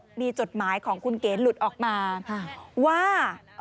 มีจดหมายของคุณเก๋หลุดออกมาว่า